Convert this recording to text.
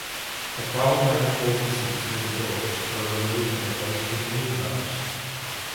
The problematic folding seats near the doors were removed and replaced with lean bars.